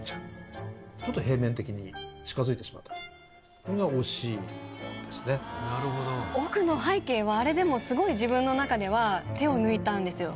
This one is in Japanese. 向こうのちょっと奥の背景はあれでもすごい自分の中では手を抜いたんですよ。